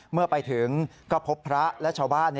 เมื่อไปถึงก็พบพระและชาวบ้าน